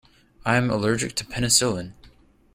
I am allergic to penicillin.